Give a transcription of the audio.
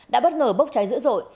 đã bất ngờ bốc cháy dữ dội